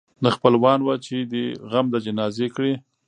نه خپلوان وه چي دي غم د جنازې کړي